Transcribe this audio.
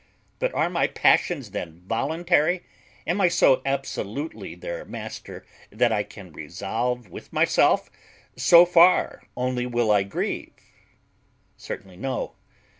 but are my passions then voluntary? Am I so absolutely their master that I can resolve with myself, so far only will I grieve? Certainly no.